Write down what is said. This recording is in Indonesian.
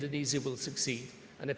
dan sangat berani